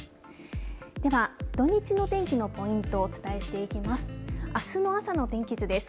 では、土日の天気のポイントをお伝えしていきます。